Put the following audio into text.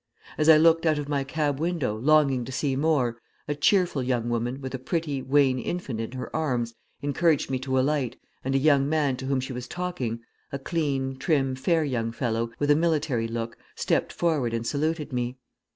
As I looked out of my cab window, longing to see more, a cheerful young woman, with a pretty, wan infant in her arms, encouraged me to alight, and a young man to whom she was talking, a clean, trim, fair young fellow, with a military look, stepped forward and saluted me.